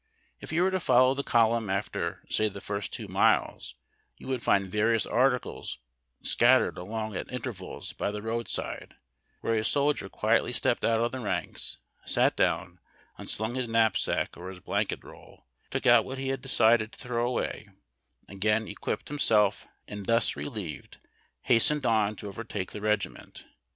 If you were to follow the column after, say, the first two miles, you would find various articles scat tered along at intervals by the roadside, where a sol dier quietly stepped out of the I'anks, sat down, un slung liis knapsack or his blanket roll, took out what he liad decided to throw away, again equipped him self, and, thus relieved, hastened on to overtake the regiment.